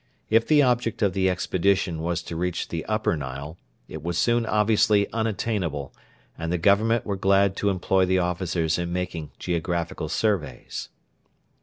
If the object of the expedition was to reach the Upper Nile, it was soon obviously unattainable, and the Government were glad to employ the officers in making geographical surveys.